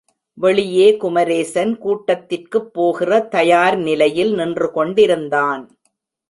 வெளியே குமரேசன் கூட்டத்திற்குப் போகிற தயார் நிலையில் நின்று கொண்டிருந்தான்.